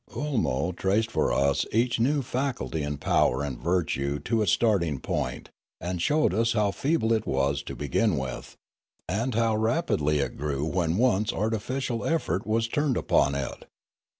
Oolmo traced for us each new faculty and power and virtue to its starting point, and showed us how feeble it was to begin with, and how rapidly it grew when once artificial effort was turned upon it.